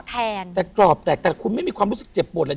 แทนแต่กรอบแตกแต่คุณไม่มีความรู้สึกเจ็บปวดเลย